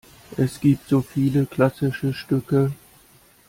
Es gibt so viele klassische Stücke!